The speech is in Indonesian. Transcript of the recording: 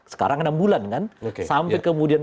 sekarang enam bulan kan sampai kemudian